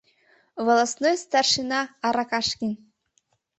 Волостной старшина Аракашкин.